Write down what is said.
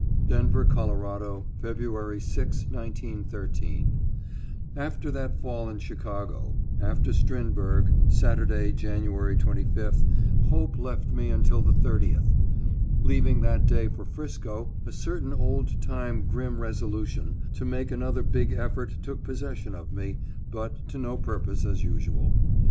=Denver, Colo., February 6, 1913.= After that fall in Chicago, after Strindberg, Saturday, January 25th, hope left me until the 30th. Leaving that day for 'Frisco a certain old time grim resolution to make another big effort took possession of me, but to no purpose as usual.